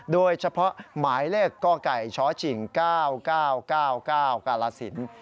โดยเฉพาะหมายเลขกไก่ชชิง๙๙๙๙๙๙กาลสิน